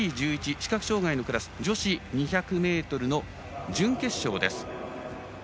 視覚障がいのクラス女子２００ｍの準決勝です。